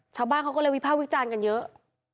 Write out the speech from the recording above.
ชาวบ้านเขาก็เลยวิภาควิจารณ์กันเยอะ